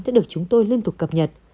thế được chúng tôi liên tục cập nhật